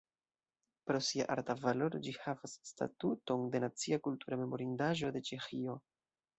Pro sia arta valoro ĝi havas statuton de nacia kultura memorindaĵo de Ĉeĥio.